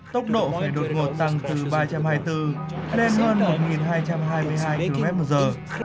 tốc độ phải đột ngột tăng từ ba trăm hai mươi bốn lên hơn một hai trăm hai mươi hai km một giờ